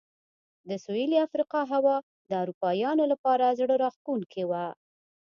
د سوېلي افریقا هوا د اروپایانو لپاره زړه راښکونکې وه.